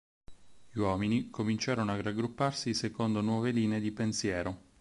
Gli uomini cominciarono a raggrupparsi secondo nuove linee di pensiero.